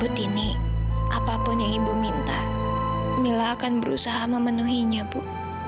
dini apapun yang ibu minta mila akan berusaha memenuhinya bu